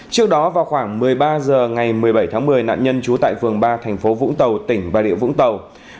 trước đó vào khoảng một mươi ba h ngày một mươi bảy tháng một mươi nạn nhân trú tại phường ba thành phố vũng tàu tỉnh bà rịa vũng tàu